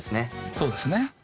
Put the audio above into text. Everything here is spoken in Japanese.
そうですね。